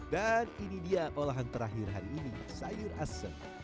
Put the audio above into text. dan ini dia olahan terakhir hari ini sayur asem